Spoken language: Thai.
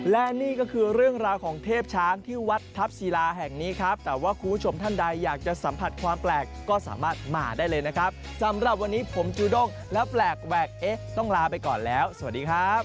และนี่ก็คือเรื่องราวของเทพช้างที่วัดทัพศิลาแห่งนี้ครับแต่ว่าคุณผู้ชมท่านใดอยากจะสัมผัสความแปลกก็สามารถมาได้เลยนะครับสำหรับวันนี้ผมจูด้งแล้วแปลกแหวกเอ๊ะต้องลาไปก่อนแล้วสวัสดีครับ